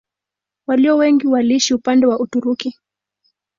Walio wengi waliishi upande wa Uturuki.